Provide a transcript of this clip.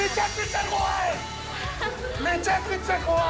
めちゃくちゃ怖い！